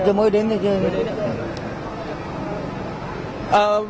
dùm ơi đến đây chứ